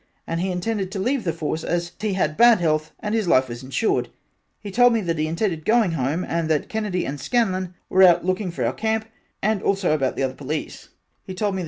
and he intended to leave the force, as he had bad health, and his life was insured, he told me he intended going home and that Kennedy and Scanlan were out looking for our camp and also about the other Police he told me the N.